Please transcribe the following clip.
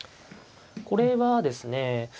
これはですね